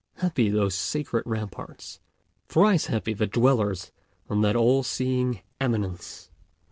Happy those sacred ramparts, thrice happy the dwellers on that all seeing eminence.